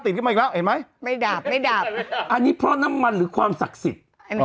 ขึ้นมาอีกแล้วเห็นไหมไม่ดับไม่ดับอันนี้เพราะน้ำมันหรือความศักดิ์สิทธิ์